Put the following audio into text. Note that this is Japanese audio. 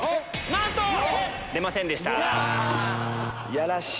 なんと‼出ませんでした。